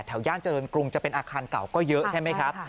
ย่านเจริญกรุงจะเป็นอาคารเก่าก็เยอะใช่ไหมครับ